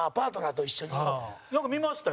陣内：なんか、見ましたよ。